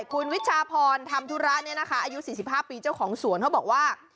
คุณวิชาพรทำธุระอายุ๔๕ปีเจ้าของสวนเขาบอกว่า